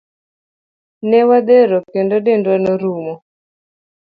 Ne wadhero kendo dendwa norumo.